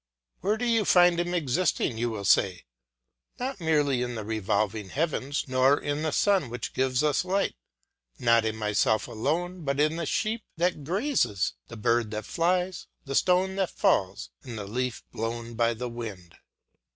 Where do you find him existing, you will say? Not merely in the revolving heavens, nor in the sun which gives us light, not in myself alone, but in the sheep that grazes, the bird that flies, the stone that falls, and the leaf blown by the wind.